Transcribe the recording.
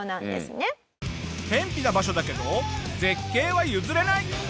辺ぴな場所だけど絶景は譲れない！